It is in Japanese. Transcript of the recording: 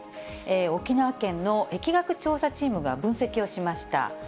沖縄県の疫学調査チームが分析をしました。